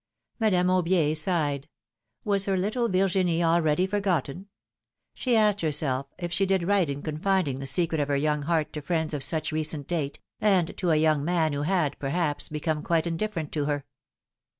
Madame Aubier sighed. Was her little Virginie already forgotten? She asked herself, if she did right in confiding the secret of her young heart to friends of such recent date, and to a young man who had, perhaps, become quite indifferent to her.